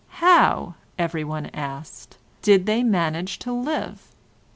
"How," everyone asked, "did they manage to live?"